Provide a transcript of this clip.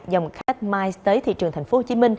dòng khách mice tới thị trường tp hcm